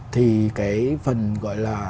thì cái phần gọi là